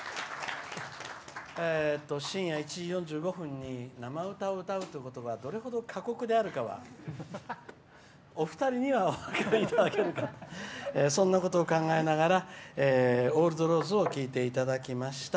深夜１時４５分に生歌を歌うっていうことがどれほど過酷であるかはお二人にはお分かりいただけるかとそんなことを考えながら「ＯＬＤＲＯＳＥ」を聴いていただきました。